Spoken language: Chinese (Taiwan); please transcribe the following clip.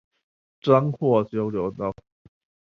彰化交流道